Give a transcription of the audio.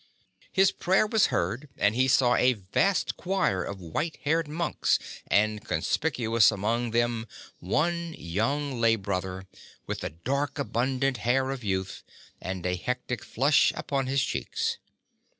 His prayer was heard, and he saw a vast choir of white haired monks, and conspicuous among them one young lay brother, with the dark abundant hair of youth, and a hectic flush upon his cheeks.